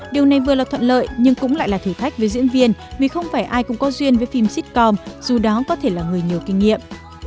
điều này vừa là thuận lợi nhưng cũng lại là thử thách với diễn viên vì không phải ai cũng có duyên với phim sitcom dù đó có thể là người nhiều kinh nghiệm